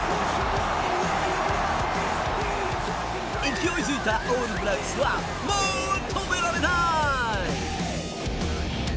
勢いづいたオールブラックスはもう止められない！